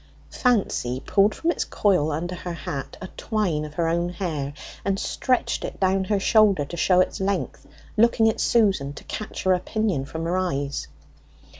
Fancy pulled from its coil under her hat a twine of her own hair, and stretched it down her shoulder to show its length, looking at Susan to catch her opinion from her eyes.